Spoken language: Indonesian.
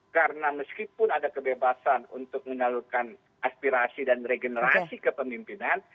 karena meskipun ada kebebasan untuk menyalurkan aspirasi dan regenerasi ke pemimpinan